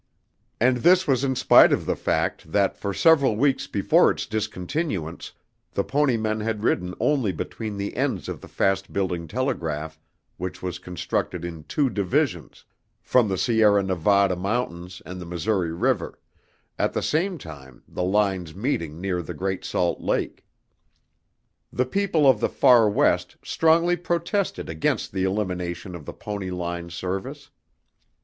And this was in spite of the fact that for several weeks before its discontinuance the pony men had ridden only between the ends of the fast building telegraph which was constructed in two divisions from the Sierra Nevada Mountains and the Missouri River at the same time, the lines meeting near the Great Salt Lake. The people of the far West strongly protested against the elimination of the pony line service.